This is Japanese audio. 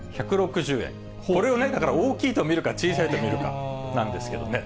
これをだから大きいと見るか、小さいと見るかなんですけどね。